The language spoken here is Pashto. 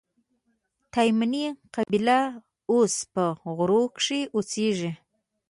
تایمني قبیله اوس په غور کښي اوسېږي.